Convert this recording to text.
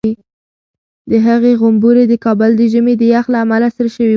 د هغې غومبوري د کابل د ژمي د یخ له امله سره شوي وو.